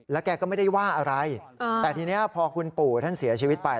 แกก็ไม่ได้ว่าอะไรแต่ทีนี้พอคุณปู่ท่านเสียชีวิตไป